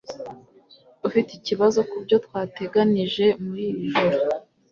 Ufite ikibazo kubyo twateganije muri iri joro